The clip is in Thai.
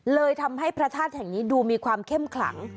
เลยทำให้พระธาตุแห่งนี้ดูมีความเข้มขลัง